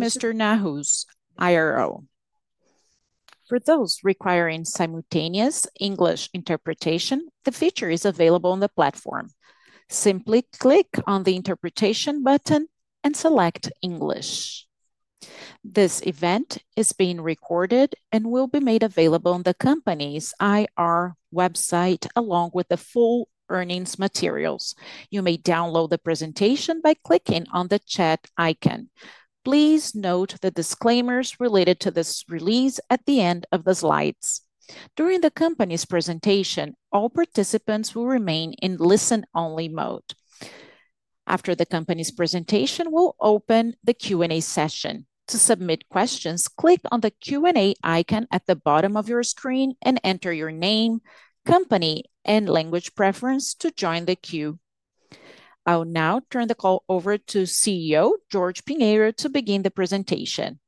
Mr. Nahus, IRO. For those requiring simultaneous English interpretation, the feature is available on the platform. Simply click on the Interpretation button and select English. This event is being recorded and will be made available on the company's IRO website along with the full earnings materials. You may download the presentation by clicking on the chat icon. Please note the disclaimers related to this release at the end of the slides. During the company's presentation, all participants will remain in listen-only mode. After the company's presentation, we'll open the Q&A session. To submit questions, click on the Q&A icon at the bottom of your screen and enter your name, company, and language preference to join the queue. I'll now turn the call over to CEO Jorge Pinheiro to begin the presentation.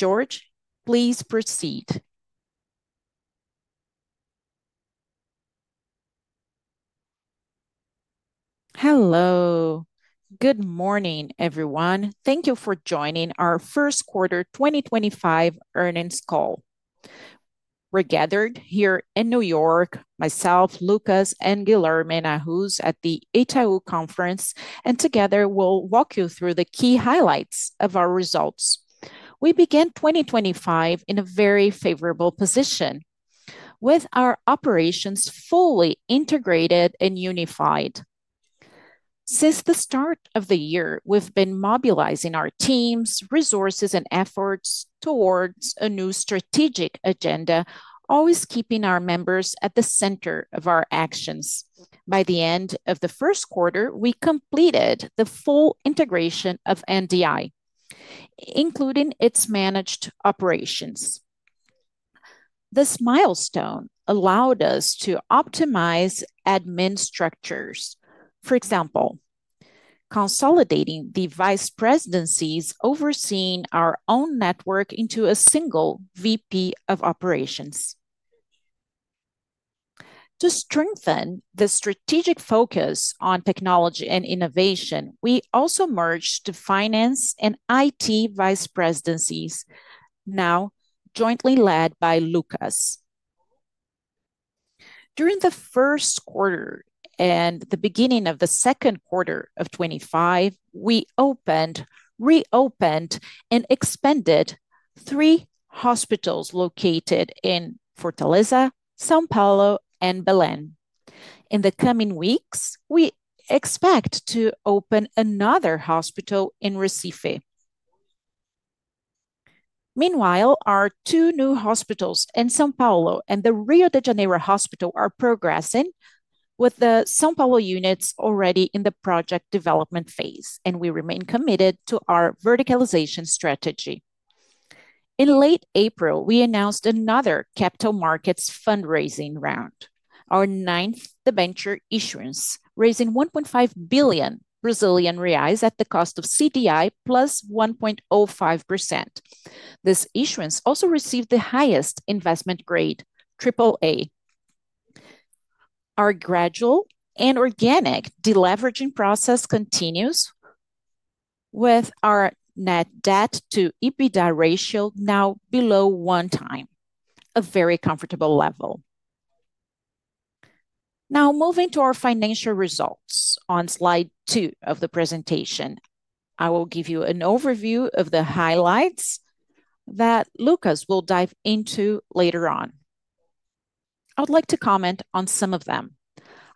Jorge, please proceed. Hello. Good morning, everyone. Thank you for joining our first quarter 2025 earnings call. We are gathered here in New York, myself, Luccas, and Guillermina Hus at the Itaú Conference, and together we will walk you through the key highlights of our results. We began 2025 in a very favorable position with our operations fully integrated and unified. Since the start of the year, we have been mobilizing our teams, resources, and efforts towards a new strategic agenda, always keeping our members at the center of our actions. By the end of the first quarter, we completed the full integration of NDI Saúde, including its managed operations. This milestone allowed us to optimize admin structures. For example, consolidating the vice presidencies overseeing our own network into a single VP of Operations. To strengthen the strategic focus on technology and innovation, we also merged the Finance and IT vice presidencies, now jointly led by Luccas. During the 1st quarter and the beginning of the 2nd quarter of 2025, we opened, reopened, and expanded three hospitals located in Fortaleza, São Paulo, and Belém. In the coming weeks, we expect to open another hospital in Recife. Meanwhile, our two new hospitals in São Paulo and the Rio de Janeiro Hospital are progressing, with the São Paulo units already in the project development phase, and we remain committed to our verticalization strategy. In late April, we announced another capital markets fundraising round, our ninth The Venture issuance, raising 1.5 billion Brazilian reais at the cost of CDI plus 1.05%. This issuance also received the highest investment grade, AAA. Our gradual and organic deleveraging process continues, with our net debt to EBITDA ratio now below one time, a very comfortable level. Now, moving to our financial results on slide two of the presentation, I will give you an overview of the highlights that Luccas will dive into later on. I would like to comment on some of them.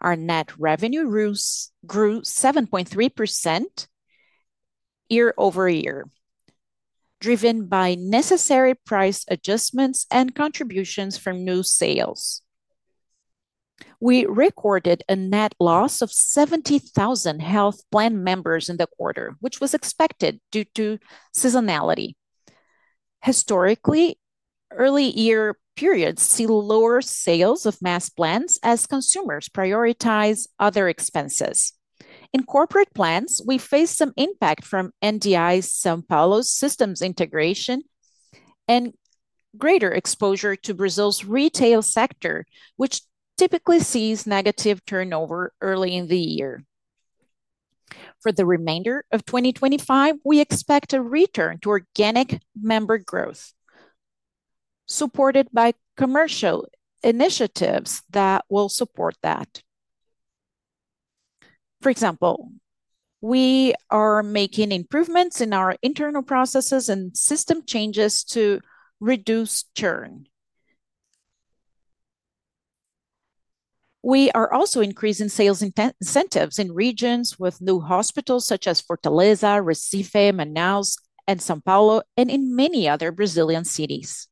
Our net revenue grew 7.3% year-over-year, driven by necessary price adjustments and contributions from new sales. We recorded a net loss of 70,000 health plan members in the quarter, which was expected due to seasonality. Historically, early year periods see lower sales of mass plans as consumers prioritize other expenses. In corporate plans, we faced some impact from NDI Saúde's São Paulo systems integration and greater exposure to Brazil's retail sector, which typically sees negative turnover early in the year. For the remainder of 2025, we expect a return to organic member growth, supported by commercial initiatives that will support that. For example, we are making improvements in our internal processes and system changes to reduce churn. We are also increasing sales incentives in regions with new hospitals such as Fortaleza, Recife, Manaus, and São Paulo, and in many other Brazilian cities.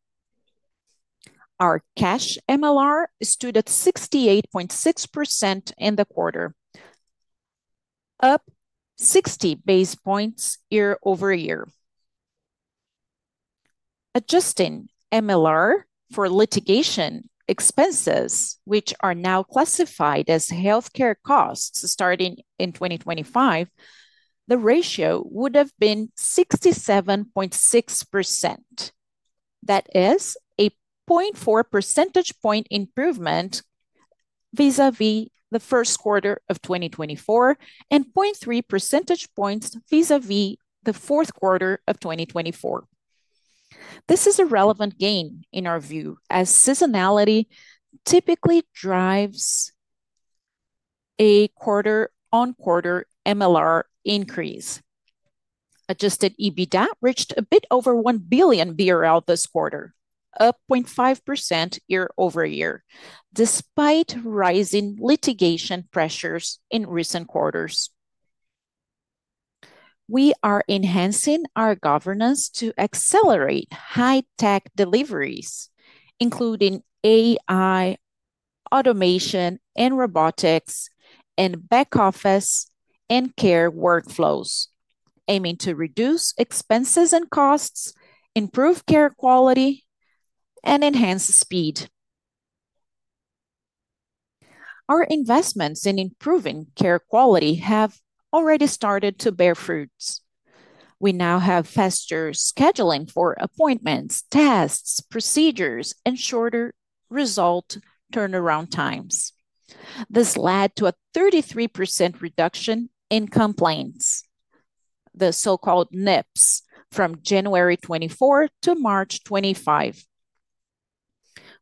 Our cash MLR stood at 68.6% in the quarter, up 60 basis points year-over-year. Adjusting MLR for litigation expenses, which are now classified as healthcare costs starting in 2025, the ratio would have been 67.6%. That is a 0.4 percentage point improvement vis-à-vis the first quarter of 2024 and 0.3 percentage points vis-à-vis the 4th quarter of 2024. This is a relevant gain in our view, as seasonality typically drives a quarter-on-quarter MLR increase. Adjusted EBITDA reached a bit over 1 billion BRL this quarter, up 0.5% year-over-year, despite rising litigation pressures in recent quarters. We are enhancing our governance to accelerate high-tech deliveries, including AI automation and robotics in back office and care workflows, aiming to reduce expenses and costs, improve care quality, and enhance speed. Our investments in improving care quality have already started to bear fruits. We now have faster scheduling for appointments, tests, procedures, and shorter result turnaround times. This led to a 33% reduction in complaints, the so-called NIPS, from January 24 to March 25.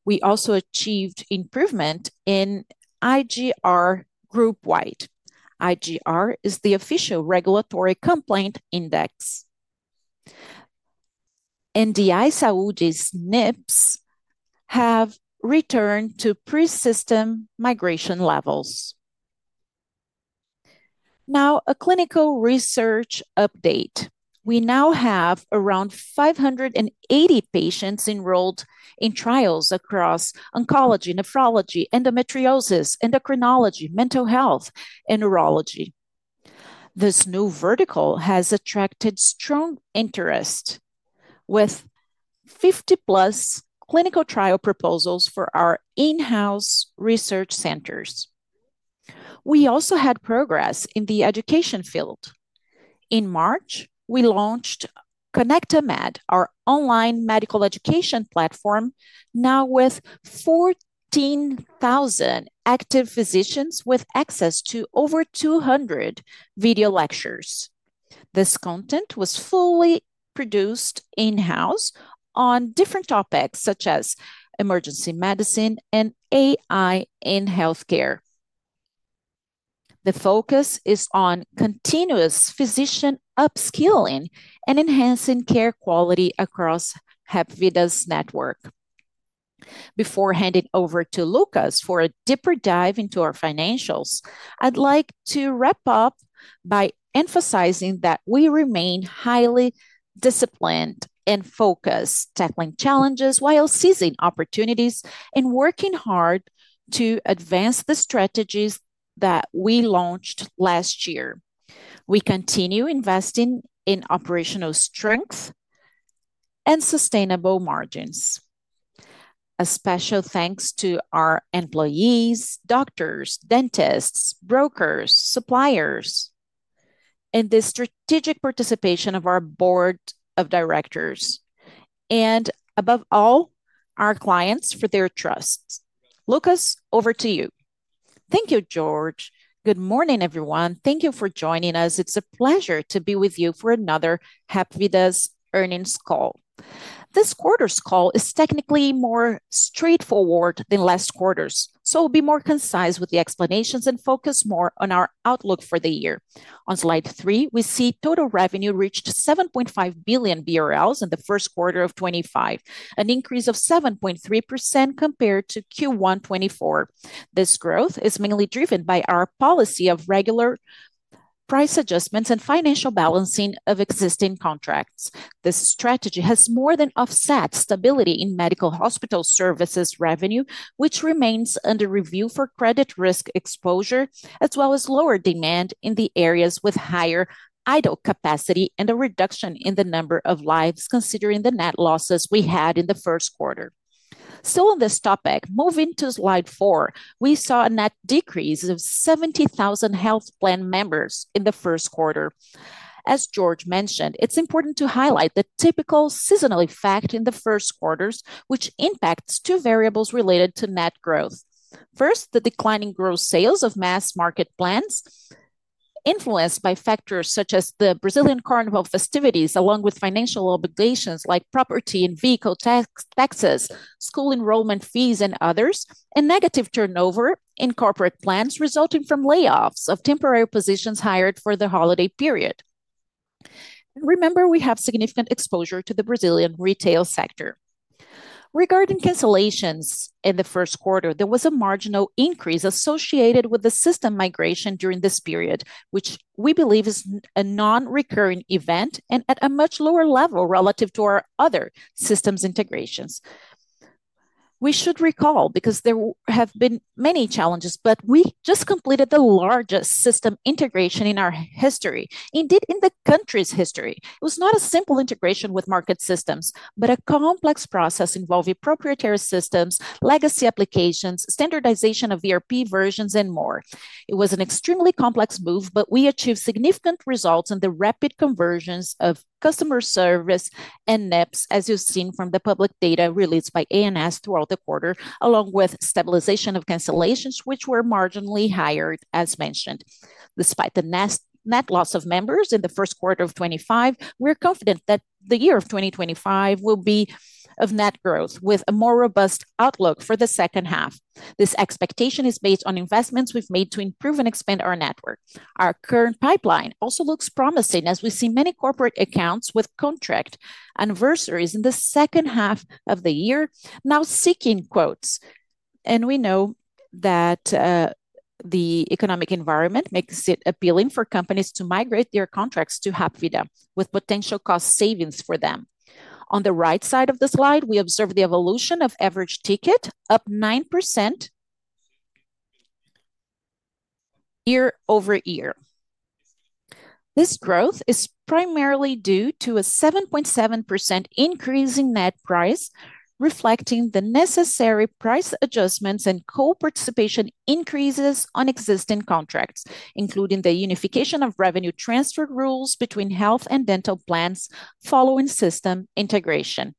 We also achieved improvement in IGR group-wide. IGR is the Official Regulatory Complaint Index. NDI Saúde's NIPS have returned to pre-system migration levels. Now, a clinical research update. We now have around 580 patients enrolled in trials across oncology, nephrology, endometriosis, endocrinology, mental health, and urology. This new vertical has attracted strong interest, with 50+ clinical trial proposals for our in-house research centers. We also had progress in the education field. In March, we launched ConnectaMed, our online medical education platform, now with 14,000 active physicians with access to over 200 video lectures. This content was fully produced in-house on different topics such as emergency medicine and AI in healthcare. The focus is on continuous physician upskilling and enhancing care quality across Hapvida's network. Before handing over to Luccas for a deeper dive into our financials, I'd like to wrap up by emphasizing that we remain highly disciplined and focused, tackling challenges while seizing opportunities and working hard to advance the strategies that we launched last year. We continue investing in operational strength and sustainable margins. A special thanks to our employees, doctors, dentists, brokers, suppliers, and the strategic participation of our board of directors, and above all, our clients for their trust. Luccas, over to you. Thank you, Jorge. Good morning, everyone. Thank you for joining us. It's a pleasure to be with you for another Hapvida's earnings call. This quarter's call is technically more straightforward than last quarter's, so we'll be more concise with the explanations and focus more on our outlook for the year. On slide three, we see total revenue reached 7.5 billion BRL in the 1st quarter of 2025, an increase of 7.3% compared to Q1 2024. This growth is mainly driven by our policy of regular price adjustments and financial balancing of existing contracts. This strategy has more than offset stability in medical hospital services revenue, which remains under review for credit risk exposure, as well as lower demand in the areas with higher idle capacity and a reduction in the number of lives considering the net losses we had in the 1st quarter. Still on this topic, moving to slide four, we saw a net decrease of 70,000 health plan members in the first quarter. As Jorge mentioned, it's important to highlight the typical seasonal effect in the first quarters, which impacts two variables related to net growth. First, the declining gross sales of mass market plans, influenced by factors such as the Brazilian Carnival festivities, along with financial obligations like property and vehicle taxes, school enrollment fees, and others, and negative turnover in corporate plans resulting from layoffs of temporary positions hired for the holiday period. Remember, we have significant exposure to the Brazilian retail sector. Regarding cancellations in the first quarter, there was a marginal increase associated with the system migration during this period, which we believe is a non-recurring event and at a much lower level relative to our other systems integrations. We should recall, because there have been many challenges, but we just completed the largest system integration in our history, indeed in the country's history. It was not a simple integration with market systems, but a complex process involving proprietary systems, legacy applications, standardization of ERP versions, and more. It was an extremely complex move, but we achieved significant results in the rapid conversions of customer service and NIPS, as you've seen from the public data released by ANS throughout the quarter, along with stabilization of cancellations, which were marginally higher, as mentioned. Despite the net loss of members in the first quarter of 2025, we're confident that the year of 2025 will be of net growth with a more robust outlook for the second half. This expectation is based on investments we've made to improve and expand our network. Our current pipeline also looks promising as we see many corporate accounts with contract anniversaries in the second half of the year now seeking quotes. We know that the economic environment makes it appealing for companies to migrate their contracts to Hapvida, with potential cost savings for them. On the right side of the slide, we observe the evolution of average ticket up 9% year-over-year. This growth is primarily due to a 7.7% increase in net price, reflecting the necessary price adjustments and co-participation increases on existing contracts, including the unification of revenue transfer rules between health and dental plans following system integration.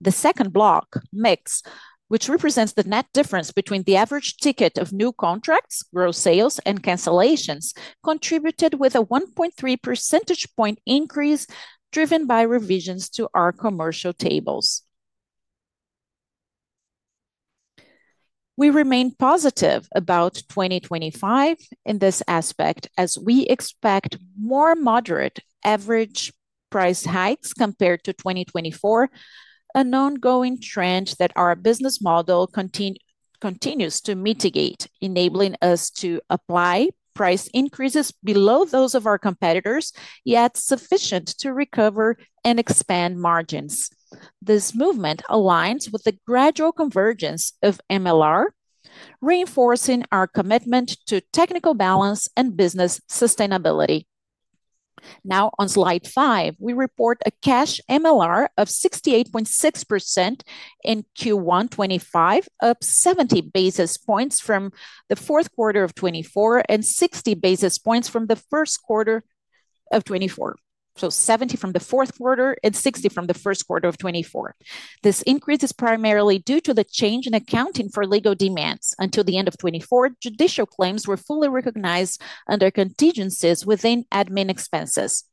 The second block, MIX, which represents the net difference between the average ticket of new contracts, gross sales, and cancellations, contributed with a 1.3 percentage point increase driven by revisions to our commercial tables. We remain positive about 2025 in this aspect, as we expect more moderate average price hikes compared to 2024, an ongoing trend that our business model continues to mitigate, enabling us to apply price increases below those of our competitors, yet sufficient to recover and expand margins. This movement aligns with the gradual convergence of MLR, reinforcing our commitment to technical balance and business sustainability. Now, on slide five, we report a cash MLR of 68.6% in Q1 2025, up 70 basis points from the 4th quarter of 2024 and 60 basis points from the 1st quarter of 2024. Seventy from the 4th quarter and 60 from the 1st quarter of 2024. This increase is primarily due to the change in accounting for legal demands. Until the end of 2024, judicial claims were fully recognized under contingencies within admin expenses.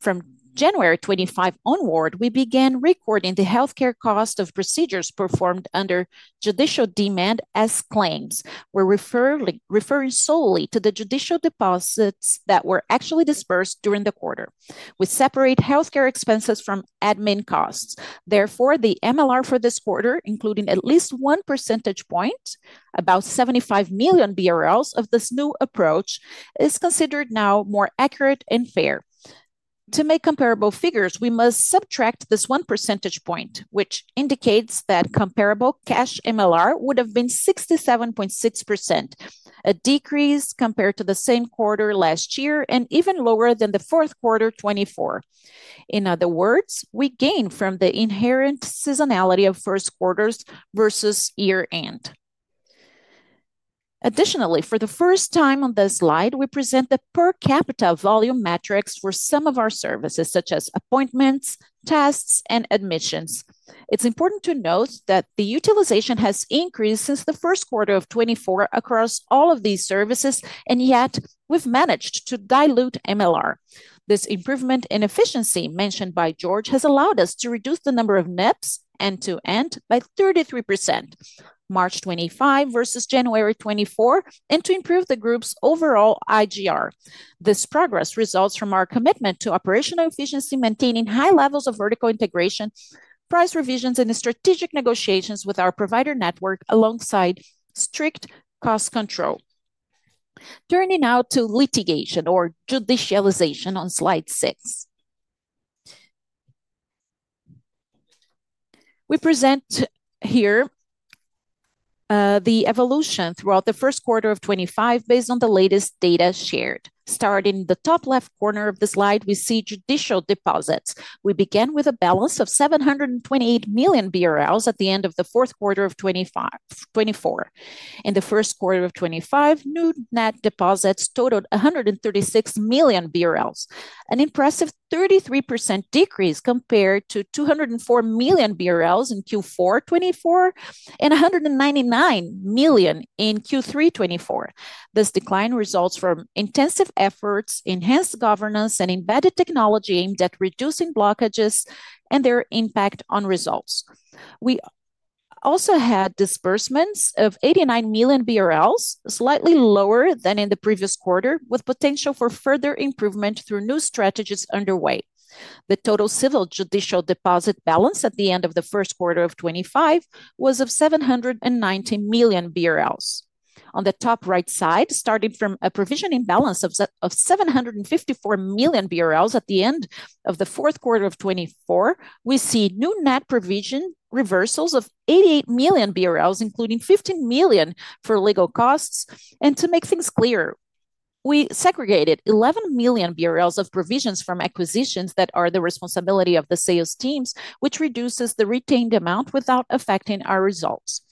From January 2025 onward, we began recording the healthcare cost of procedures performed under judicial demand as claims, referring solely to the judicial deposits that were actually disbursed during the quarter, with separate healthcare expenses from admin costs. Therefore, the MLR for this quarter, including at least one percentage point, about 75 million BRL of this new approach, is considered now more accurate and fair. To make comparable figures, we must subtract this one percentage point, which indicates that comparable cash MLR would have been 67.6%, a decrease compared to the same quarter last year and even lower than the 4th quarter 2024. In other words, we gain from the inherent seasonality of first quarters versus year-end. Additionally, for the first time on this slide, we present the per capita volume metrics for some of our services, such as appointments, tests, and admissions. It's important to note that the utilization has increased since the first quarter of 2024 across all of these services, and yet we've managed to dilute MLR. This improvement in efficiency mentioned by Jorge has allowed us to reduce the number of NIPS end-to-end by 33%, March 2025 versus January 2024, and to improve the group's overall IGR. This progress results from our commitment to operational efficiency, maintaining high levels of vertical integration, price revisions, and strategic negotiations with our provider network alongside strict cost control. Turning now to litigation or judicialization on slide six. We present here the evolution throughout the first quarter of 2025 based on the latest data shared. Starting in the top left corner of the slide, we see judicial deposits. We began with a balance of 728 million BRL at the end of the 4th quarter of 2024. In the first quarter of 2025, new net deposits totaled 136 million BRL, an impressive 33% decrease compared to 204 million BRL in Q4 2024 and 199 million in Q3 2024. This decline results from intensive efforts, enhanced governance, and embedded technology aimed at reducing blockages and their impact on results. We also had disbursements of 89 million BRL, slightly lower than in the previous quarter, with potential for further improvement through new strategies underway. The total civil-judicial deposit balance at the end of the first quarter of 2025 was 790 million BRL. On the top right side, starting from a provisioning balance of 754 million BRL at the end of the 4th quarter of 2024, we see new net provision reversals of 88 million BRL, including 15 million for legal costs. To make things clear, we segregated 11 million BRL of provisions from acquisitions that are the responsibility of the sales teams, which reduces the retained amount without affecting our results.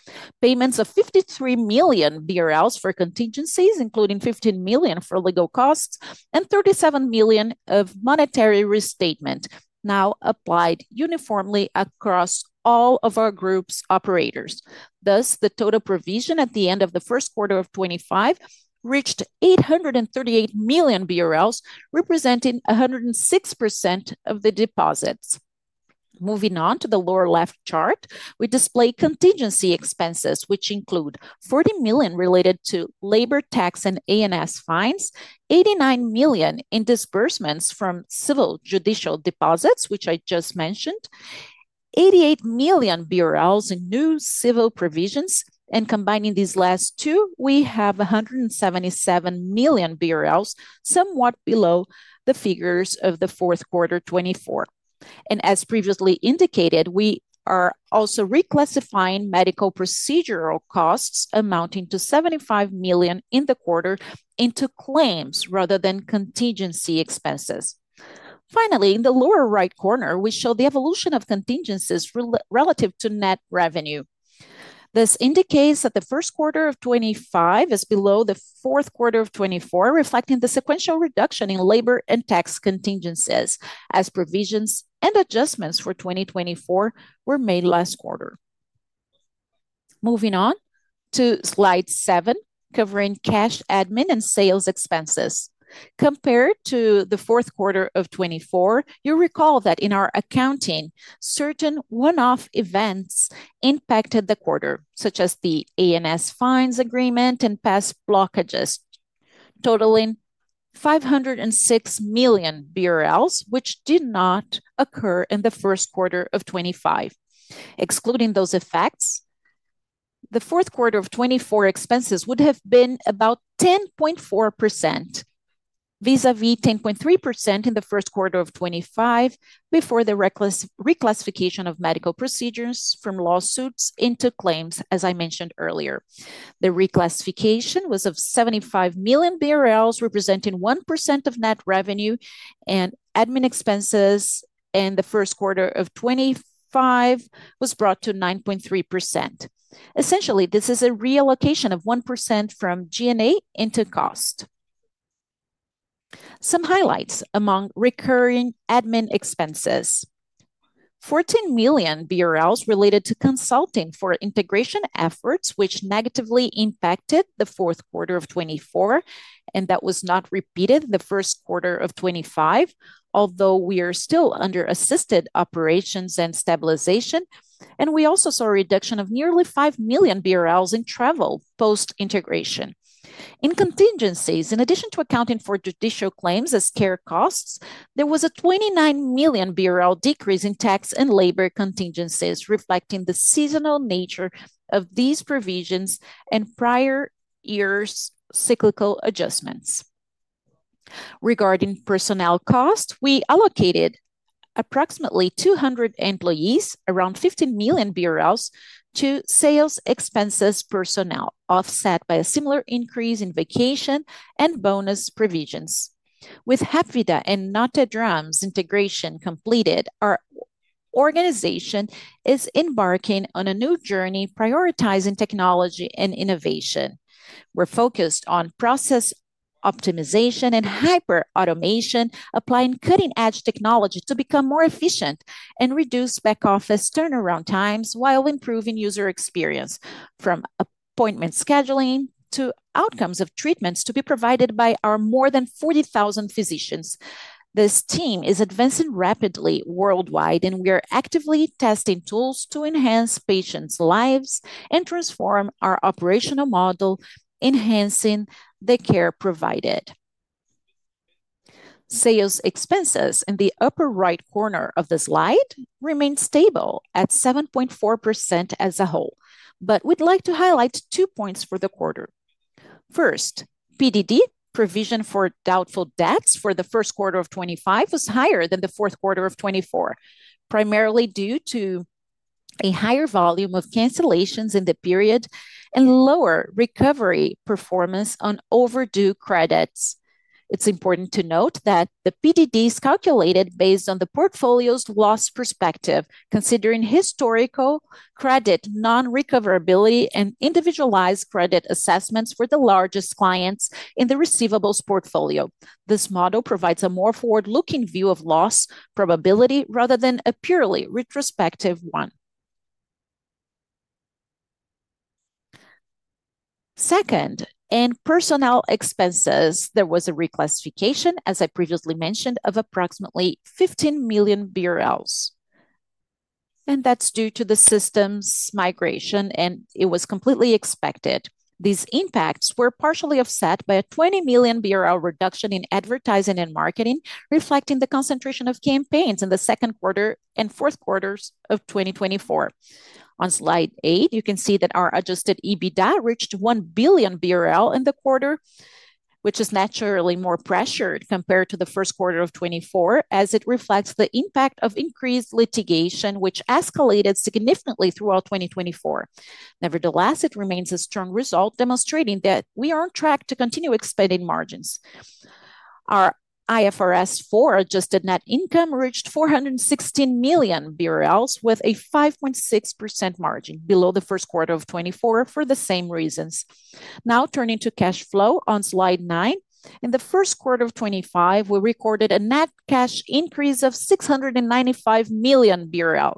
Payments of 53 million BRL for contingencies, including 15 million for legal costs, and 37 million of monetary restatement now applied uniformly across all of our group's operators. Thus, the total provision at the end of the first quarter of 2025 reached 838 million BRL, representing 106% of the deposits. Moving on to the lower left chart, we display contingency expenses, which include 40 million related to labor tax and ANS fines, 89 million in disbursements from civil-judicial deposits, which I just mentioned, 88 million BRL in new civil provisions. Combining these last two, we have 177 million BRL, somewhat below the figures of the 4th quarter 2024. As previously indicated, we are also reclassifying medical procedural costs amounting to 75 million in the quarter into claims rather than contingency expenses. Finally, in the lower right corner, we show the evolution of contingencies relative to net revenue. This indicates that the first quarter of 2025 is below the 4th quarter of 2024, reflecting the sequential reduction in labor and tax contingencies as provisions and adjustments for 2024 were made last quarter. Moving on to slide seven, covering cash admin and sales expenses. Compared to the 4th quarter of 2024, you recall that in our accounting, certain one-off events impacted the quarter, such as the ANS fines agreement and past blockages, totaling 506 million BRL, which did not occur in the first quarter of 2025. Excluding those effects, the 4th quarter of 2024 expenses would have been about 10.4% vis-à-vis 10.3% in the 1st quarter of 2025 before the reclassification of medical procedures from lawsuits into claims, as I mentioned earlier. The reclassification was of 75 million BRL, representing 1% of net revenue, and admin expenses in the first quarter of 2025 was brought to 9.3%. Essentially, this is a reallocation of 1% from G&A into cost. Some highlights among recurring admin expenses: 14 million BRL related to consulting for integration efforts, which negatively impacted the 4th quarter of 2024, and that was not repeated the first quarter of 2025, although we are still under assisted operations and stabilization. We also saw a reduction of nearly 5 million BRL in travel post-integration. In contingencies, in addition to accounting for judicial claims as care costs, there was a 29 million BRL decrease in tax and labor contingencies, reflecting the seasonal nature of these provisions and prior year's cyclical adjustments. Regarding personnel costs, we allocated approximately 200 employees, around 15 million BRL, to sales expenses personnel, offset by a similar increase in vacation and bonus provisions. With Hapvida and NDI Saúde integration completed, our organization is embarking on a new journey prioritizing technology and innovation. We're focused on process optimization and hyperautomation, applying cutting-edge technology to become more efficient and reduce back-office turnaround times while improving user experience, from appointment scheduling to outcomes of treatments to be provided by our more than 40,000 physicians. This team is advancing rapidly worldwide, and we are actively testing tools to enhance patients' lives and transform our operational model, enhancing the care provided. Sales expenses in the upper right corner of the slide remain stable at 7.4% as a whole, but we'd like to highlight two points for the quarter. First, PDD provision for doubtful debts for the 1st quarter of 2025 was higher than the 4th quarter of 2024, primarily due to a higher volume of cancellations in the period and lower recovery performance on overdue credits. It's important to note that the PDD is calculated based on the portfolio's loss perspective, considering historical credit non-recoverability and individualized credit assessments for the largest clients in the receivables portfolio. This model provides a more forward-looking view of loss probability rather than a purely retrospective one. Second, in personnel expenses, there was a reclassification, as I previously mentioned, of approximately 15 million BRL. That is due to the systems migration, and it was completely expected. These impacts were partially offset by a BRL 20 million reduction in advertising and marketing, reflecting the concentration of campaigns in the 2nd quarter and 4th quarters of 2024. On slide eight, you can see that our adjusted EBITDA reached 1 billion BRL in the quarter, which is naturally more pressured compared to the first quarter of 2024, as it reflects the impact of increased litigation, which escalated significantly throughout 2024. Nevertheless, it remains a strong result, demonstrating that we are on track to continue expanding margins. Our IFRS 4 adjusted net income reached 416 million BRL with a 5.6% margin below the first quarter of 2024 for the same reasons. Now turning to cash flow on slide nine, in the first quarter of 2025, we recorded a net cash increase of 695 million BRL.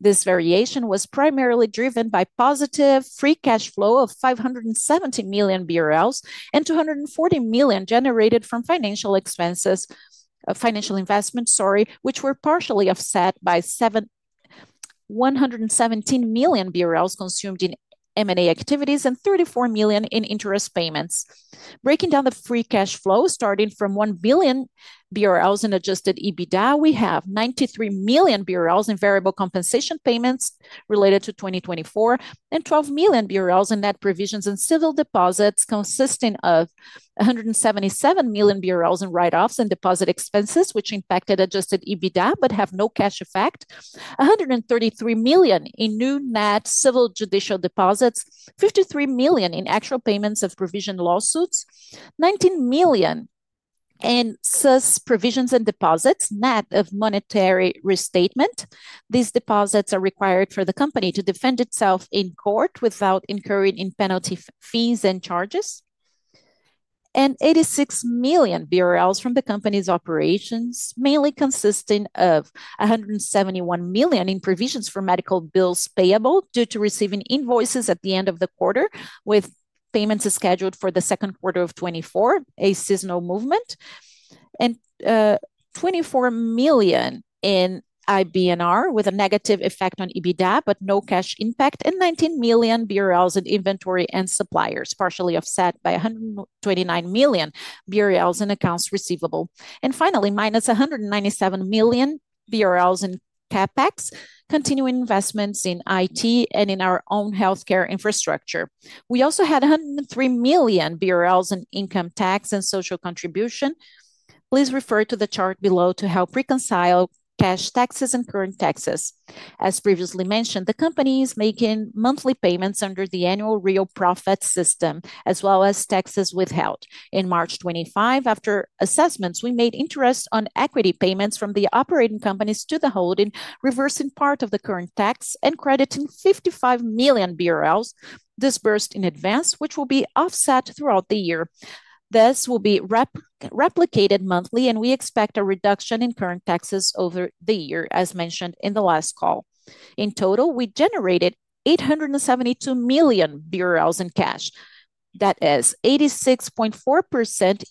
This variation was primarily driven by positive free cash flow of 570 million BRL and 240 million generated from financial investments, sorry, which were partially offset by 117 million BRL consumed in M&A activities and 34 million in interest payments. Breaking down the free cash flow, starting from 1 billion BRL in adjusted EBITDA, we have 93 million BRL in variable compensation payments related to 2024 and 12 million BRL in net provisions and civil deposits, consisting of 177 million BRL in write-offs and deposit expenses, which impacted adjusted EBITDA but have no cash effect, 133 million in new net civil-judicial deposits, 53 million in actual payments of provision lawsuits, 19 million in SUS provisions and deposits, net of monetary restatement. These deposits are required for the company to defend itself in court without incurring in penalty fees and charges, and 86 million BRL from the company's operations, mainly consisting of 171 million in provisions for medical bills payable due to receiving invoices at the end of the quarter, with payments scheduled for the 2nd quarter of 2024, a seasonal movement, and 24 million in IBNR with a negative effect on EBITDA, but no cash impact, and 19 million BRL in inventory and suppliers, partially offset by 129 million BRL in accounts receivable. Finally, minus 197 million BRL in CapEx, continuing investments in IT and in our own healthcare infrastructure. We also had 103 million BRL in income tax and social contribution. Please refer to the chart below to help reconcile cash taxes and current taxes. As previously mentioned, the company is making monthly payments under the annual real profit system, as well as taxes withheld. In March 2025, after assessments, we made interest on equity payments from the operating companies to the holding, reversing part of the current tax and crediting 55 million BRL disbursed in advance, which will be offset throughout the year. This will be replicated monthly, and we expect a reduction in current taxes over the year, as mentioned in the last call. In total, we generated 872 million BRL in cash. That is 86.4%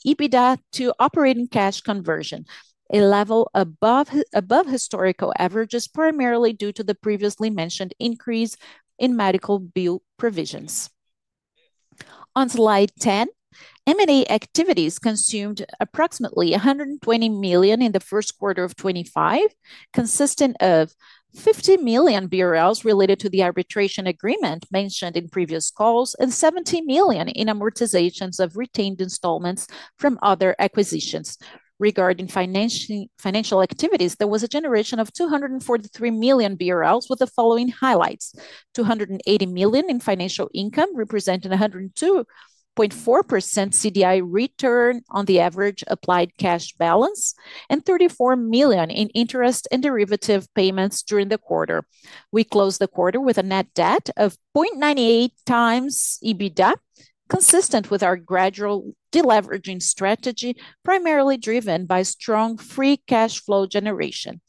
EBITDA to operating cash conversion, a level above historical averages, primarily due to the previously mentioned increase in medical bill provisions. On slide 10, M&A activities consumed approximately 120 million in the first quarter of 2025, consisting of 50 million BRL related to the arbitration agreement mentioned in previous calls and 70 million in amortizations of retained installments from other acquisitions. Regarding financial activities, there was a generation of 243 million BRL with the following highlights: 280 million in financial income, representing 102.4% CDI return on the average applied cash balance, and 34 million in interest and derivative payments during the quarter. We closed the quarter with a net debt of 0.98 times EBITDA, consistent with our gradual deleveraging strategy, primarily driven by strong free cash flow generation.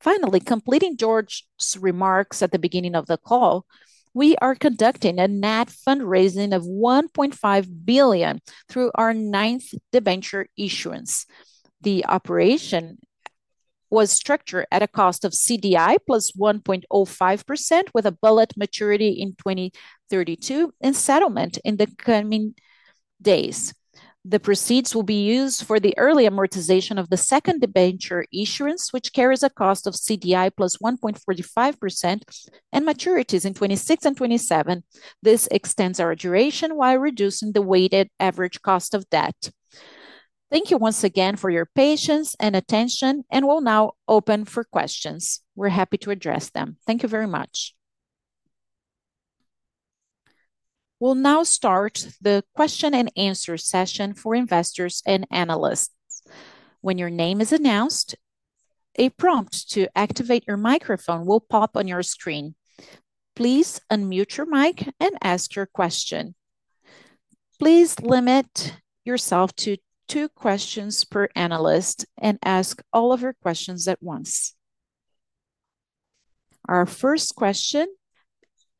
Finally, completing Jorge Pinheiro's remarks at the beginning of the call, we are conducting a net fundraising of 1.5 billion through our ninth debenture issuance. The operation was structured at a cost of CDI plus 1.05%, with a bullet maturity in 2032 and settlement in the coming days. The proceeds will be used for the early amortization of the second debenture issuance, which carries a cost of CDI plus 1.45% and maturities in 2026 and 2027. This extends our duration while reducing the weighted average cost of debt. Thank you once again for your patience and attention, and we'll now open for questions. We're happy to address them. Thank you very much. We'll now start the question and answer session for investors and analysts. When your name is announced, a prompt to activate your microphone will pop on your screen. Please unmute your mic and ask your question. Please limit yourself to two questions per analyst and ask all of your questions at once. Our first question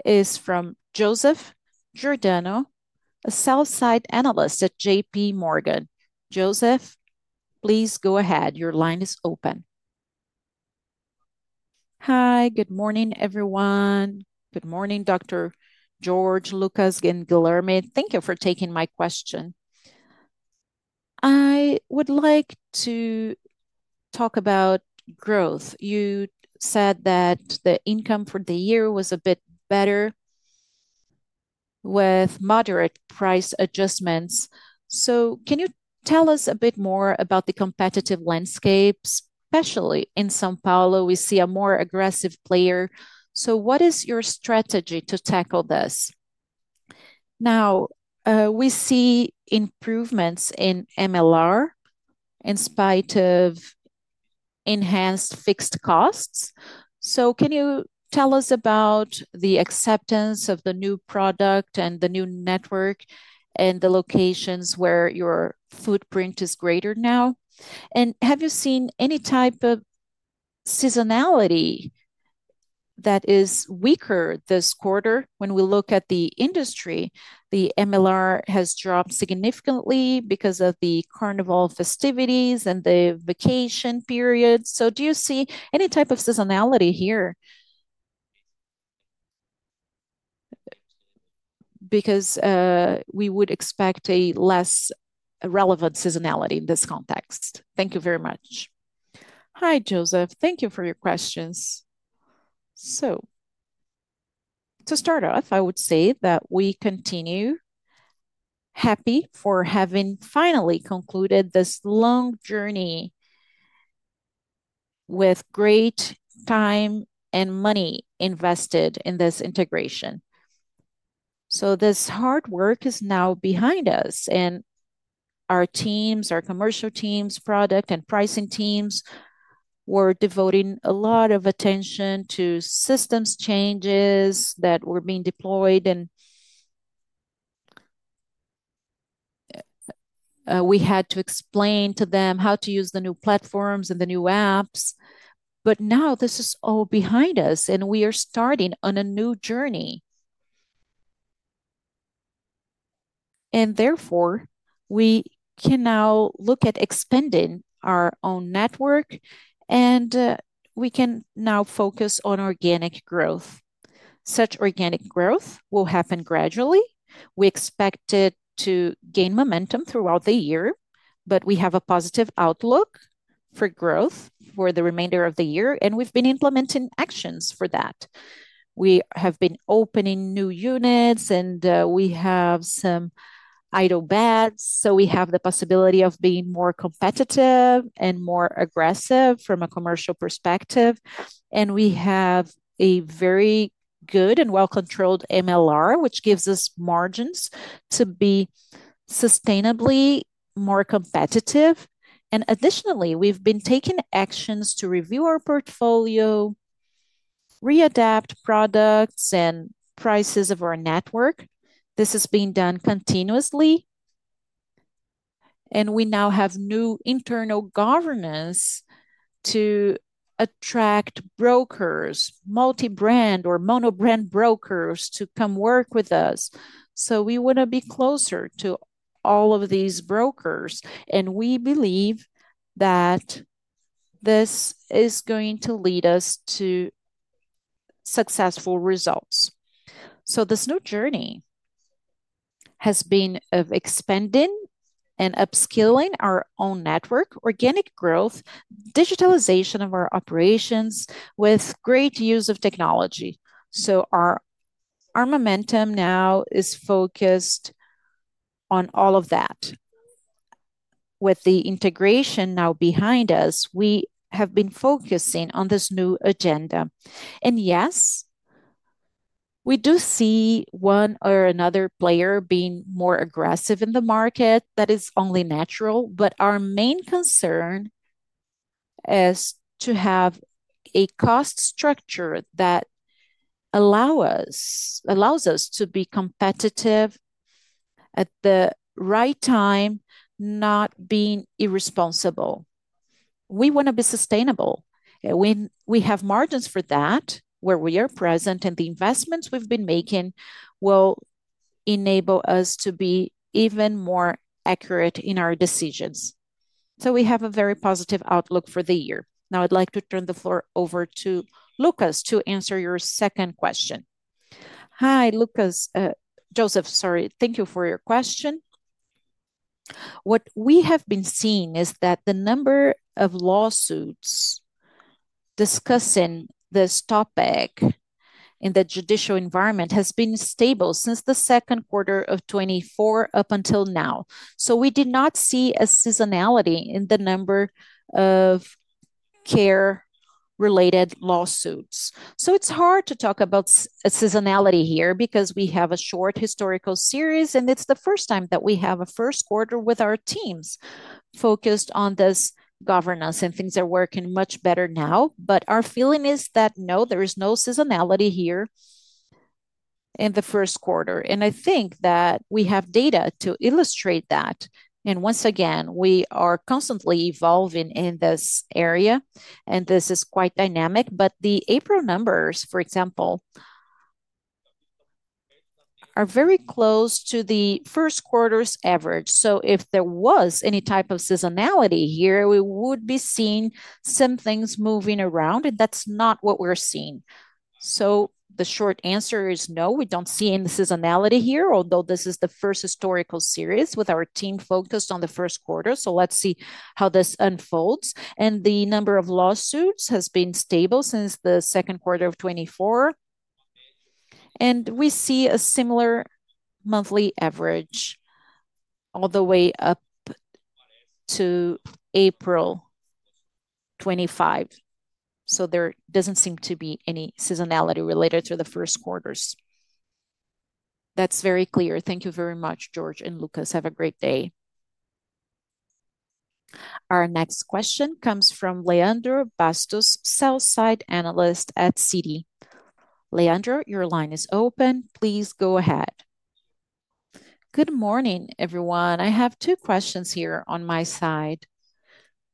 is from Joseph Giordano, a sell-side analyst at JP Morgan. Joseph, please go ahead. Your line is open. Hi, good morning, everyone. Good morning, Dr. Jorge, Luccas, Guillermina. Thank you for taking my question. I would like to talk about growth. You said that the income for the year was a bit better with moderate price adjustments. Can you tell us a bit more about the competitive landscapes? Especially in São Paulo, we see a more aggressive player. What is your strategy to tackle this? We see improvements in MLR in spite of enhanced fixed costs. Can you tell us about the acceptance of the new product and the new network and the locations where your footprint is greater now? Have you seen any type of seasonality that is weaker this quarter? When we look at the industry, the MLR has dropped significantly because of the carnival festivities and the vacation period. Do you see any type of seasonality here? We would expect a less relevant seasonality in this context. Thank you very much. Hi, Joseph. Thank you for your questions. To start off, I would say that we continue happy for having finally concluded this long journey with great time and money invested in this integration. This hard work is now behind us, and our teams, our commercial teams, product, and pricing teams were devoting a lot of attention to systems changes that were being deployed, and we had to explain to them how to use the new platforms and the new apps. Now this is all behind us, and we are starting on a new journey. Therefore, we can now look at expanding our own network, and we can now focus on organic growth. Such organic growth will happen gradually. We expect it to gain momentum throughout the year, but we have a positive outlook for growth for the remainder of the year, and we've been implementing actions for that. We have been opening new units, and we have some idle beds, so we have the possibility of being more competitive and more aggressive from a commercial perspective. We have a very good and well-controlled MLR, which gives us margins to be sustainably more competitive. Additionally, we've been taking actions to review our portfolio, readapt products, and prices of our network. This is being done continuously, and we now have new internal governance to attract brokers, multi-brand or monobrand brokers to come work with us. We want to be closer to all of these brokers, and we believe that this is going to lead us to successful results. This new journey has been of expanding and upskilling our own network, organic growth, digitalization of our operations with great use of technology. Our momentum now is focused on all of that. With the integration now behind us, we have been focusing on this new agenda. Yes, we do see one or another player being more aggressive in the market. That is only natural, but our main concern is to have a cost structure that allows us to be competitive at the right time, not being irresponsible. We want to be sustainable. We have margins for that where we are present, and the investments we have been making will enable us to be even more accurate in our decisions. We have a very positive outlook for the year. Now, I'd like to turn the floor over to Luccas to answer your second question. Hi, Luccas. Joseph, sorry. Thank you for your question. What we have been seeing is that the number of lawsuits discussing this topic in the judicial environment has been stable since the 2nd quarter of 2024 up until now. We did not see a seasonality in the number of care-related lawsuits. It is hard to talk about a seasonality here because we have a short historical series, and it is the first time that we have a first quarter with our teams focused on this governance, and things are working much better now. Our feeling is that no, there is no seasonality here in the first quarter. I think that we have data to illustrate that. We are constantly evolving in this area, and this is quite dynamic, but the April numbers, for example, are very close to the 1st quarter's average. If there was any type of seasonality here, we would be seeing some things moving around, and that's not what we're seeing. The short answer is no, we do not see any seasonality here, although this is the first historical series with our team focused on the 1st quarter. Let's see how this unfolds. The number of lawsuits has been stable since the 2nd quarter of 2024, and we see a similar monthly average all the way up to April 2025. There does not seem to be any seasonality related to the first quarters. That is very clear. Thank you very much, Jorge and Luccas. Have a great day. Our next question comes from Leandro Bastos, sell-side analyst at CD. Leandro, your line is open. Please go ahead. Good morning, everyone. I have two questions here on my side.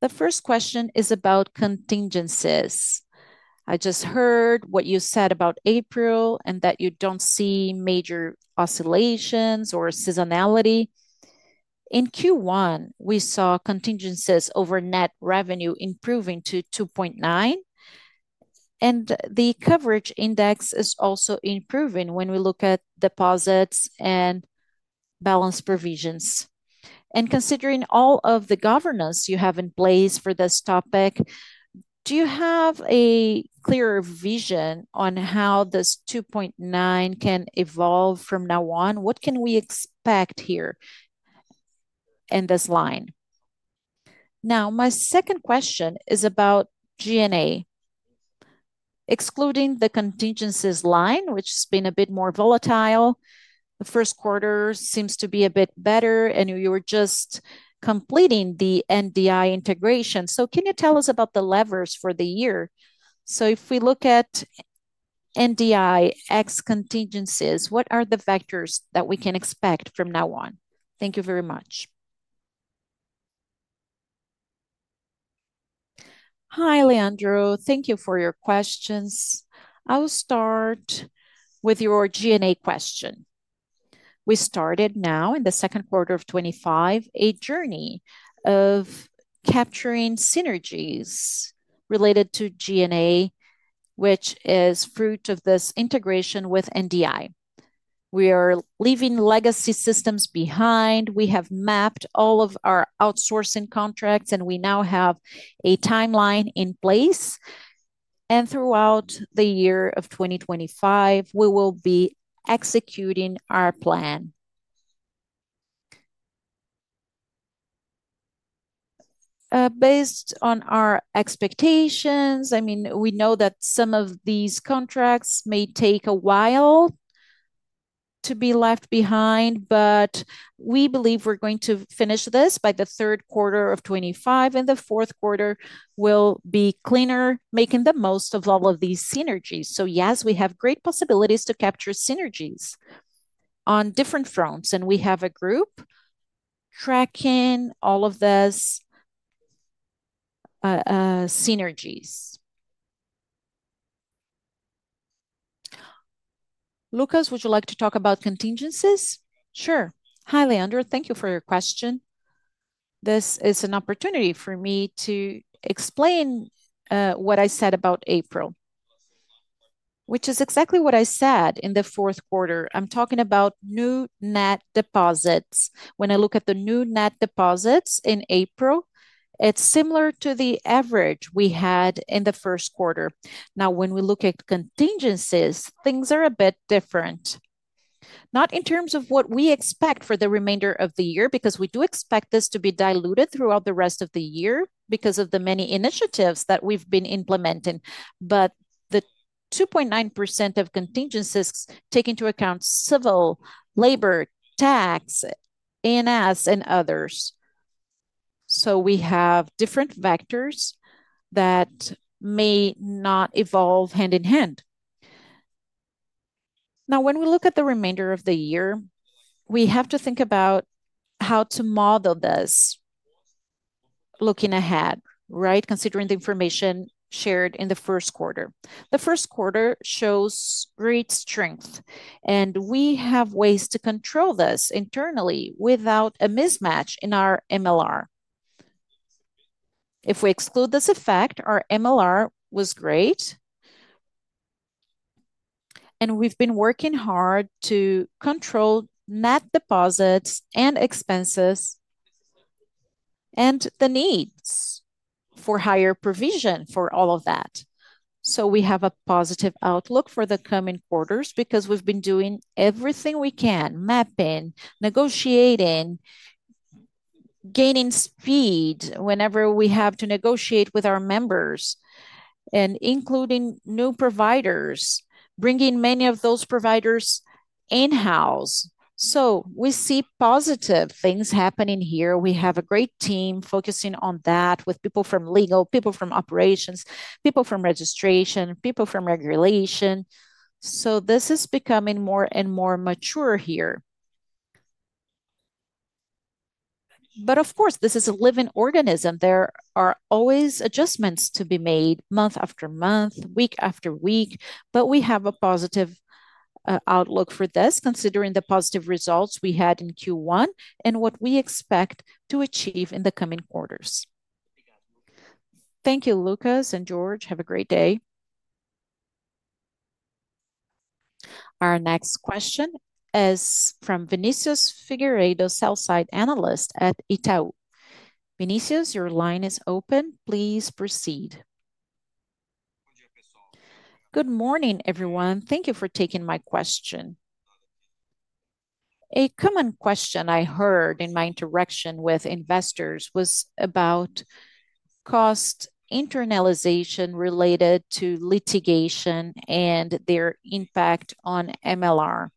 The first question is about contingencies. I just heard what you said about April and that you do not see major oscillations or seasonality. In Q1, we saw contingencies over net revenue improving to 2.9, and the coverage index is also improving when we look at deposits and balance provisions. Considering all of the governance you have in place for this topic, do you have a clearer vision on how this 2.9 can evolve from now on? What can we expect here in this line? My second question is about G&A. Excluding the contingencies line, which has been a bit more volatile, the 1st quarter seems to be a bit better, and you were just completing the NDI integration. Can you tell us about the levers for the year? If we look at NDI, ex contingencies, what are the factors that we can expect from now on? Thank you very much. Hi, Leandro. Thank you for your questions. I'll start with your G&A question. We started now in the 2nd quarter of 2025 a journey of capturing synergies related to G&A, which is fruit of this integration with NDI. We are leaving legacy systems behind. We have mapped all of our outsourcing contracts, and we now have a timeline in place. Throughout the year of 2025, we will be executing our plan. Based on our expectations, I mean, we know that some of these contracts may take a while to be left behind, but we believe we are going to finish this by the 3rd quarter of 2025, and the 4th quarter will be cleaner, making the most of all of these synergies. Yes, we have great possibilities to capture synergies on different fronts, and we have a group tracking all of these synergies. Luccas, would you like to talk about contingencies? Sure. Hi, Leandro. Thank you for your question. This is an opportunity for me to explain what I said about April, which is exactly what I said in the 4th quarter. I am talking about new net deposits. When I look at the new net deposits in April, it is similar to the average we had in the first quarter. Now, when we look at contingencies, things are a bit different, not in terms of what we expect for the remainder of the year, because we do expect this to be diluted throughout the rest of the year because of the many initiatives that we've been implementing. The 2.9% of contingencies take into account civil, labor, tax, ANS, and others. We have different vectors that may not evolve hand in hand. Now, when we look at the remainder of the year, we have to think about how to model this looking ahead, right, considering the information shared in the first quarter. The first quarter shows great strength, and we have ways to control this internally without a mismatch in our MLR. If we exclude this effect, our MLR was great, and we've been working hard to control net deposits and expenses and the needs for higher provision for all of that. We have a positive outlook for the coming quarters because we've been doing everything we can: mapping, negotiating, gaining speed whenever we have to negotiate with our members, and including new providers, bringing many of those providers in-house. We see positive things happening here. We have a great team focusing on that with people from legal, people from operations, people from registration, people from regulation. This is becoming more and more mature here. Of course, this is a living organism. There are always adjustments to be made month after month, week after week, but we have a positive outlook for this, considering the positive results we had in Q1 and what we expect to achieve in the coming quarters. Thank you, Luccas and Jorge. Have a great day. Our next question is from Vinicius Figueiredo, sell-side analyst at Itaú. Vinicius, your line is open. Please proceed. Good morning, everyone. Thank you for taking my question. A common question I heard in my interaction with investors was about cost internalization related to litigation and their impact on MLR.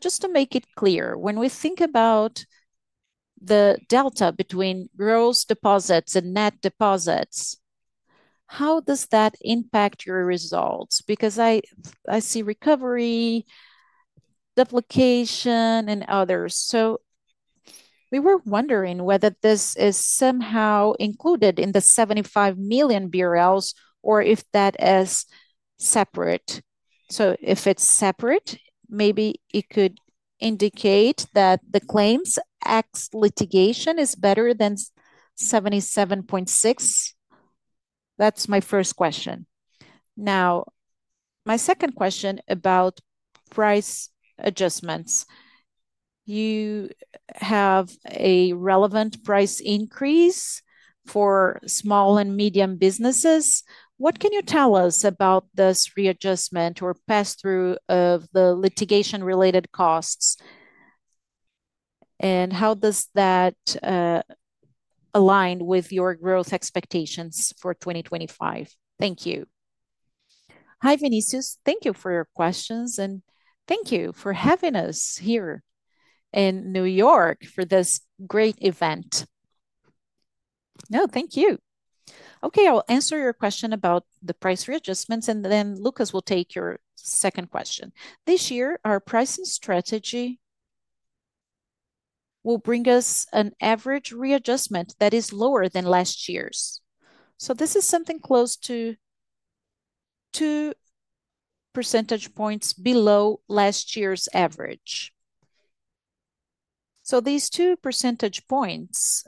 Just to make it clear, when we think about the delta between gross deposits and net deposits, how does that impact your results? Because I see recovery, duplication, and others. We were wondering whether this is somehow included in the 75 million BRL or if that is separate. If it's separate, maybe it could indicate that the claims ex litigation is better than 77.6%. That's my first question. My second question about price adjustments. You have a relevant price increase for small and medium businesses. What can you tell us about this readjustment or pass-through of the litigation-related costs, and how does that align with your growth expectations for 2025? Thank you. Hi, Vinicius. Thank you for your questions, and thank you for having us here in New York for this great event. No, thank you. Okay, I'll answer your question about the price readjustments, and then Luccas will take your second question. This year, our pricing strategy will bring us an average readjustment that is lower than last year's. This is something close to 2 percentage points below last year's average. These 2 percentage points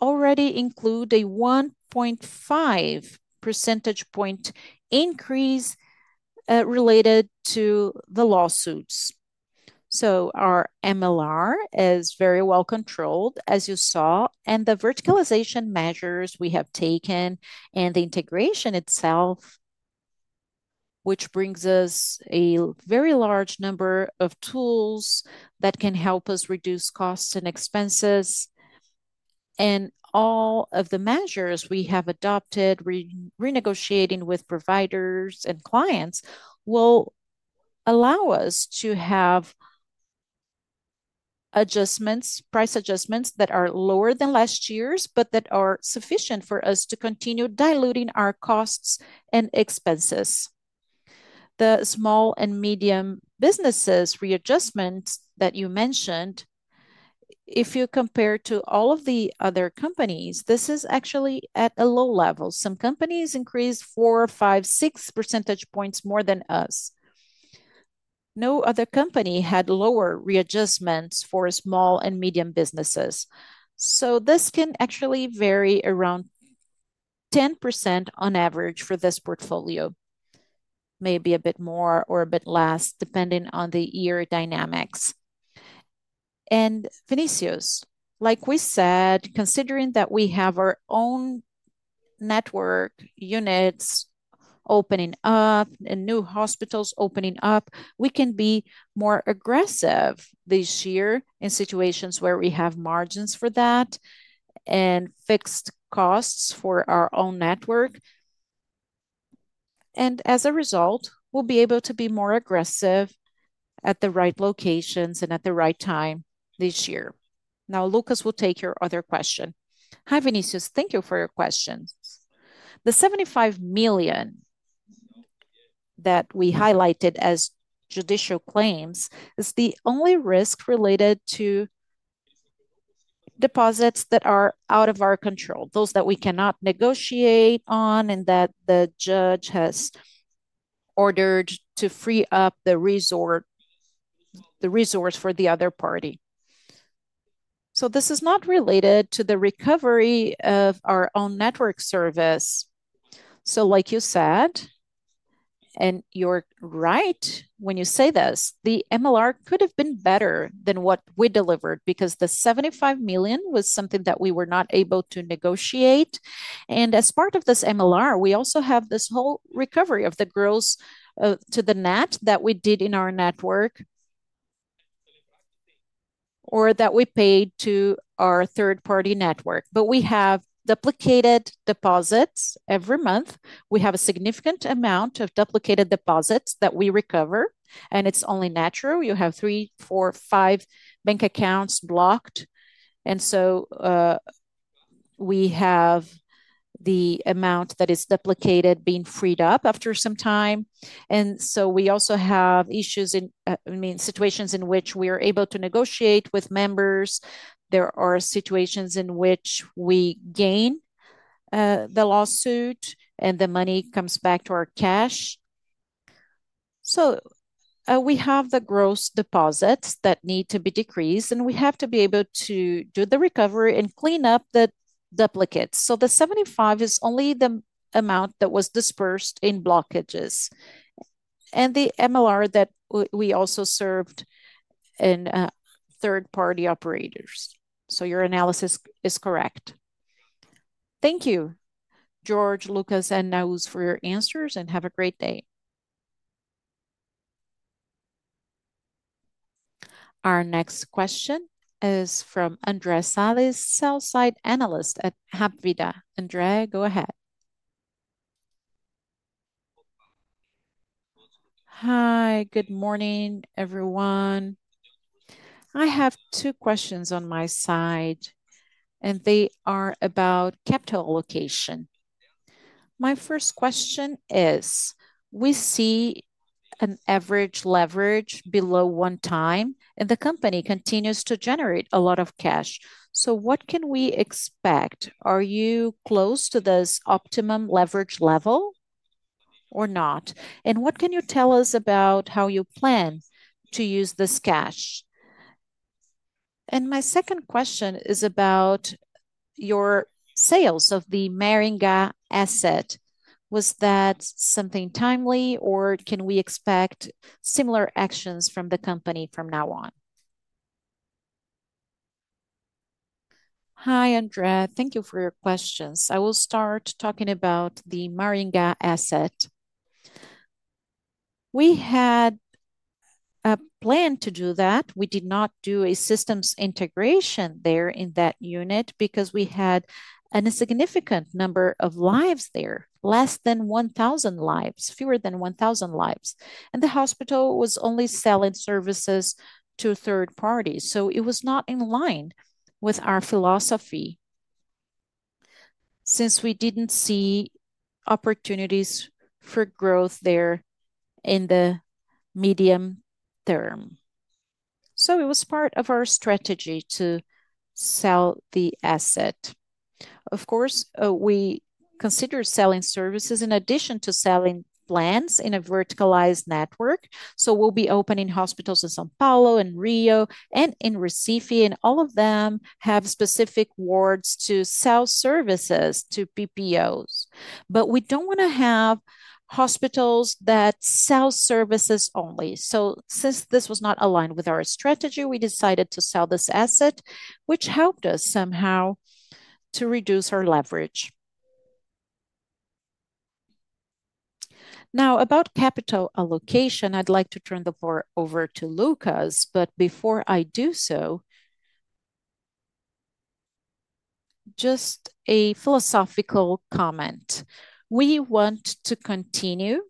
already include a 1.5 percentage point increase related to the lawsuits. Our MLR is very well controlled, as you saw, and the verticalization measures we have taken and the integration itself, which brings us a very large number of tools that can help us reduce costs and expenses. All of the measures we have adopted, renegotiating with providers and clients, will allow us to have price adjustments that are lower than last year's, but that are sufficient for us to continue diluting our costs and expenses. The small and medium businesses readjustment that you mentioned, if you compare to all of the other companies, this is actually at a low level. Some companies increased 4, 5, 6 percentage points more than us. No other company had lower readjustments for small and medium businesses. This can actually vary around 10% on average for this portfolio, maybe a bit more or a bit less, depending on the year dynamics. Vinicius, like we said, considering that we have our own network units opening up and new hospitals opening up, we can be more aggressive this year in situations where we have margins for that and fixed costs for our own network. As a result, we'll be able to be more aggressive at the right locations and at the right time this year. Now, Luccas will take your other question. Hi, Vinicius. Thank you for your question. The 75 million that we highlighted as judicial claims is the only risk related to deposits that are out of our control, those that we cannot negotiate on and that the judge has ordered to free up the resource for the other party. This is not related to the recovery of our own network service. Like you said, and you're right when you say this, the MLR could have been better than what we delivered because the 75 million was something that we were not able to negotiate. As part of this MLR, we also have this whole recovery of the gross to the net that we did in our network or that we paid to our 3rd-party network. We have duplicated deposits every month. We have a significant amount of duplicated deposits that we recover, and it's only natural. You have three, four, five bank accounts blocked. We have the amount that is duplicated being freed up after some time. We also have issues in, I mean, situations in which we are able to negotiate with members. There are situations in which we gain the lawsuit and the money comes back to our cash. We have the gross deposits that need to be decreased, and we have to be able to do the recovery and clean up the duplicates. The 75 is only the amount that was dispersed in blockages and the MLR that we also served in 3rd-party operators. Your analysis is correct. Thank you, Jorge, Luccas, and Naus for your answers, and have a great day. Our next question is from Andre Salles, sell-side analyst at Hapvida. Andrea, go ahead. Hi, good morning, everyone. I have two questions on my side, and they are about capital allocation. My first question is, we see an average leverage below one time, and the company continues to generate a lot of cash. What can we expect? Are you close to this optimum leverage level or not? What can you tell us about how you plan to use this cash? My second question is about your sales of the Maringá asset. Was that something timely, or can we expect similar actions from the company from now on? Hi, Andrea. Thank you for your questions. I will start talking about the Maringá asset. We had a plan to do that. We did not do a systems integration there in that unit because we had a significant number of lives there, fewer than 1,000 lives. The hospital was only selling services to 3rd parties, so it was not in line with our philosophy since we did not see opportunities for growth there in the medium term. It was part of our strategy to sell the asset. Of course, we consider selling services in addition to selling plans in a verticalized network. We will be opening hospitals in São Paulo and Rio and in Recife, and all of them have specific wards to sell services to PPOs. We do not want to have hospitals that sell services only. Since this was not aligned with our strategy, we decided to sell this asset, which helped us somehow to reduce our leverage. Now, about capital allocation, I would like to turn the floor over to Luccas. Before I do so, just a philosophical comment. We want to continue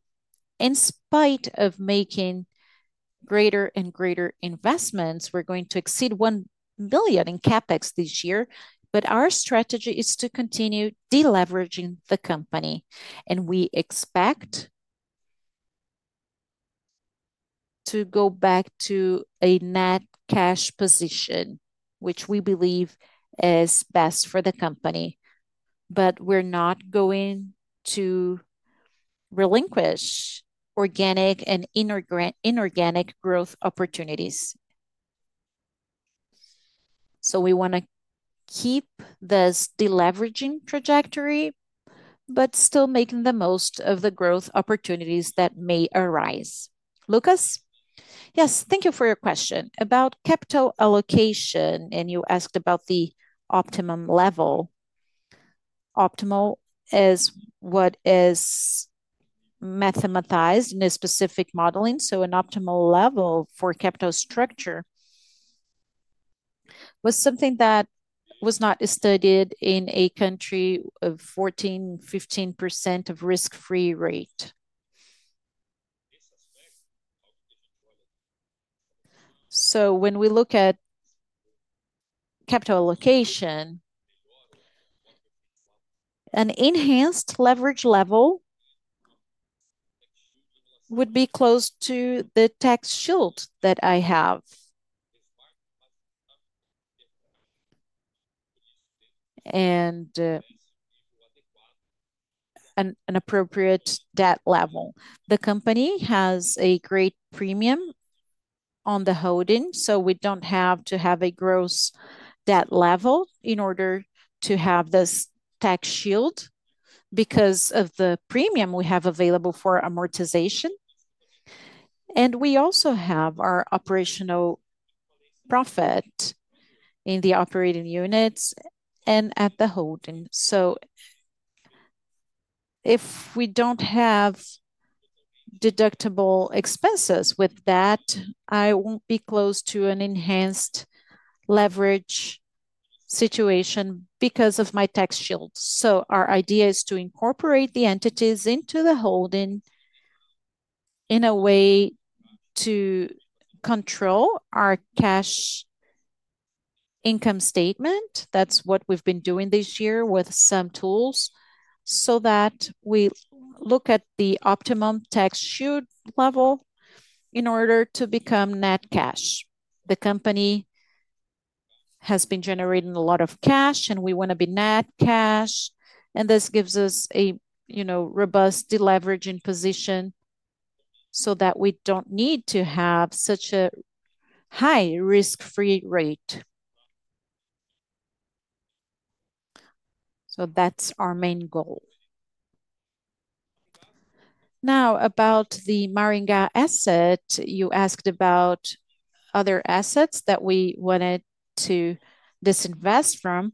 in spite of making greater and greater investments. We are going to exceed 1 million in CapEx this year, but our strategy is to continue deleveraging the company. We expect to go back to a net cash position, which we believe is best for the company. We're not going to relinquish organic and inorganic growth opportunities. We want to keep this deleveraging trajectory, but still making the most of the growth opportunities that may arise. Luccas? Yes, thank you for your question about capital allocation. You asked about the optimum level. Optimal is what is mathematized in a specific modeling. An optimal level for capital structure was something that was not studied in a country of 14-15% of risk-free rate. When we look at capital allocation, an enhanced leverage level would be close to the tax shield that I have and an appropriate debt level. The company has a great premium on the holding, so we do not have to have a gross debt level in order to have this tax shield because of the premium we have available for amortization. We also have our operational profit in the operating units and at the holding. If we do not have deductible expenses with that, I will not be close to an enhanced leverage situation because of my tax shield. Our idea is to incorporate the entities into the holding in a way to control our cash income statement. That is what we have been doing this year with some tools so that we look at the optimum tax shield level in order to become net cash. The company has been generating a lot of cash, and we want to be net cash. This gives us a robust deleveraging position so that we do not need to have such a high risk-free rate. That is our main goal. Now, about the Maringá asset, you asked about other assets that we wanted to disinvest from.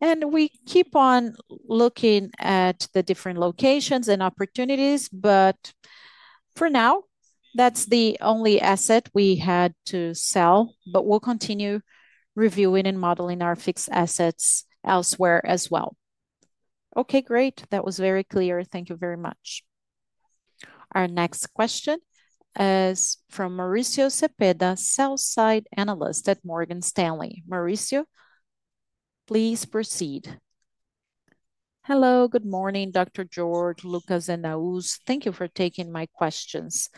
We keep on looking at the different locations and opportunities, but for now, that is the only asset we had to sell. We will continue reviewing and modeling our fixed assets elsewhere as well. Okay, great. That was very clear. Thank you very much. Our next question is from Mauricio Cepeda, sell-side analyst at Morgan Stanley. Mauricio, please proceed. Hello, good morning, Dr. Jorge, Luccas, and Naus. Thank you for taking my questions.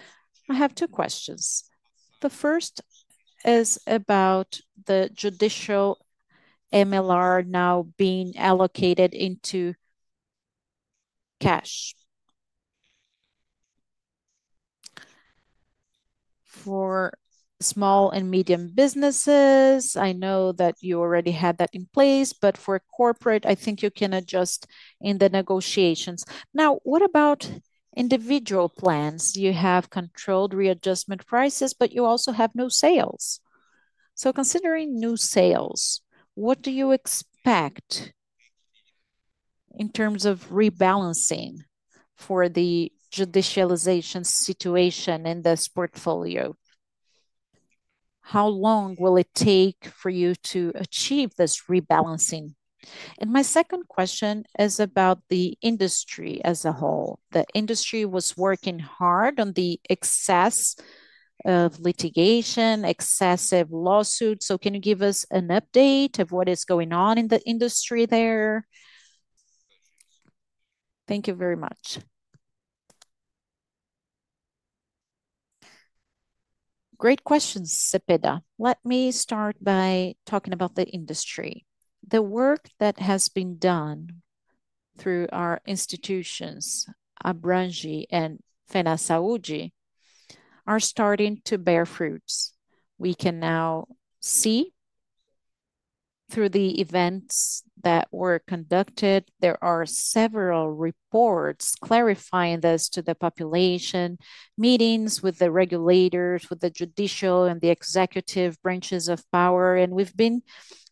I have two questions. The first is about the judicial MLR now being allocated into cash. For small and medium businesses, I know that you already had that in place, but for corporate, I think you can adjust in the negotiations. Now, what about individual plans? You have controlled readjustment prices, but you also have new sales. Considering new sales, what do you expect in terms of rebalancing for the judicialization situation in this portfolio? How long will it take for you to achieve this rebalancing? My second question is about the industry as a whole. The industry was working hard on the excess of litigation, excessive lawsuits. Can you give us an update of what is going on in the industry there? Thank you very much. Great questions, Cepeda. Let me start by talking about the industry. The work that has been done through our institutions, Abrange and Fenasaúde, is starting to bear fruits. We can now see through the events that were conducted, there are several reports clarifying this to the population, meetings with the regulators, with the judicial and the executive branches of power. We have been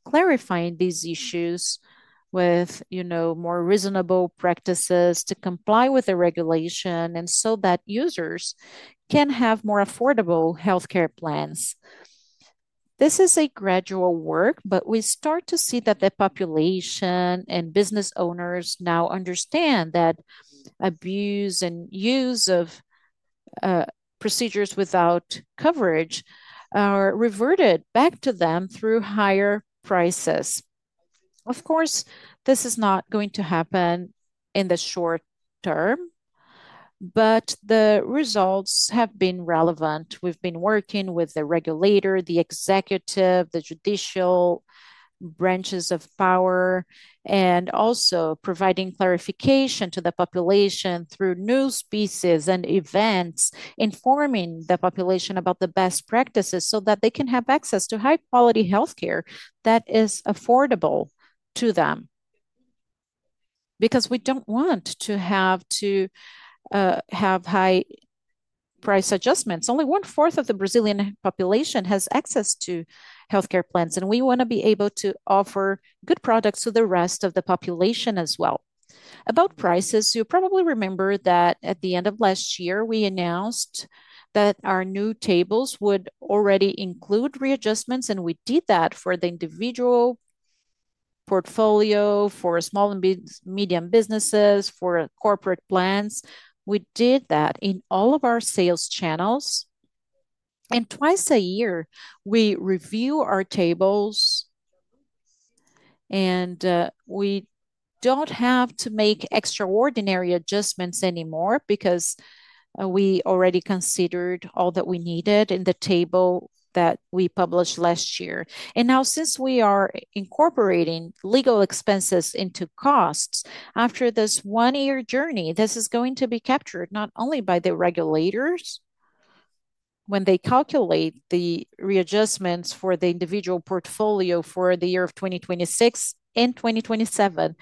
clarifying these issues with more reasonable practices to comply with the regulation so that users can have more affordable health plans. This is a gradual work, but we start to see that the population and business owners now understand that abuse and use of procedures without coverage are reverted back to them through higher prices. Of course, this is not going to happen in the short term, but the results have been relevant. We've been working with the regulator, the executive, the judicial branches of power, and also providing clarification to the population through news pieces and events, informing the population about the best practices so that they can have access to high-quality healthcare that is affordable to them. Because we don't want to have to have high-priced adjustments. Only one-4th of the Brazilian population has access to healthcare plans, and we want to be able to offer good products to the rest of the population as well. About prices, you probably remember that at the end of last year, we announced that our new tables would already include readjustments, and we did that for the individual portfolio, for small and medium businesses, for corporate plans. We did that in all of our sales channels. Twice a year, we review our tables, and we do not have to make extraordinary adjustments anymore because we already considered all that we needed in the table that we published last year. Now, since we are incorporating legal expenses into costs, after this one-year journey, this is going to be captured not only by the regulators when they calculate the readjustments for the individual portfolio for the year of 2026 and 2027,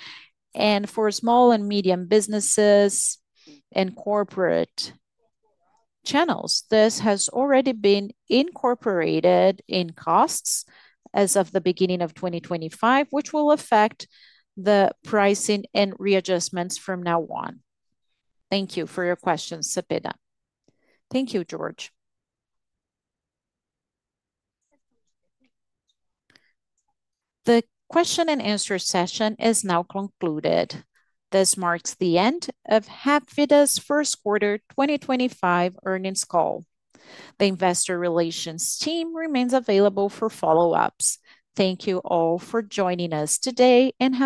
and for small and medium businesses and corporate channels. This has already been incorporated in costs as of the beginning of 2025, which will affect the pricing and readjustments from now on. Thank you for your questions, Cepeda. Thank you, Jorge. The question and answer session is now concluded. This marks the end of Hapvida's first quarter 2025 earnings call. The investor relations team remains available for follow-ups. Thank you all for joining us today and have.